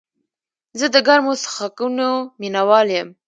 زه د ګرمو څښاکونو مینه وال یم.